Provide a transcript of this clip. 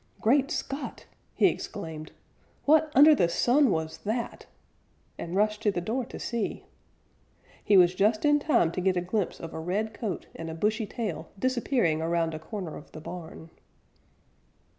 "Great Scott!" he exclaimed. "What under the sun was that?" and rushed to the door to see. He was just in time to get a glimpse of a red coat and a bushy tail disappearing around a corner of the barn.